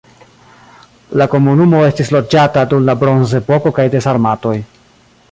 La komunumo estis loĝata dum la bronzepoko kaj de sarmatoj.